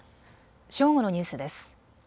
正午のニュースです。